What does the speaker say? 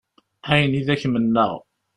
Ayen i d ak-mennaɣ.